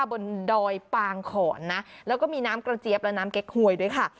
ดอยปางขอนนะแล้วก็มีน้ำกระเจี๊ยบและน้ำเก๊กหวยด้วยค่ะ